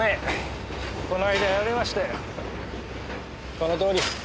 このとおり。